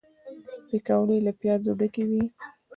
پکورې له پیازو ډکې وي